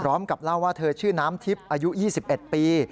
พร้อมกับเล่าว่าเธอชื่อน้ำทิพย์อายุ๒๑ปี